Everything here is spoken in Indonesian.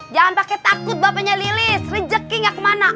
jangan pakai takut bapaknya lilis rejeki gak kemana